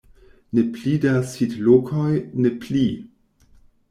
"Ne pli da sidlokoj, ne pli!"